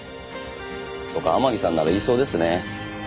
とか天樹さんなら言いそうですね。